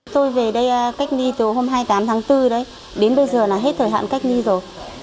tôi về đây cách ly từ hôm hai mươi tám tháng bốn đấy đến bây giờ là hết thời hạn cách ly rồi